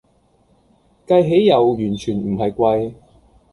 計起又完全唔係貴